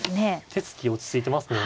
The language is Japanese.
手つき落ち着いてますね。